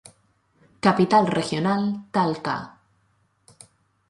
Capital Regional: Talca.